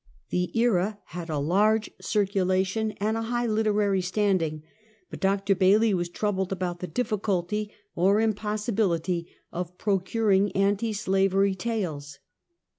The Era had a large circulation, and high literary standing, bnt Dr. Bailey was troubled about the diffi culty or impossibility of procuring anti slavery tales.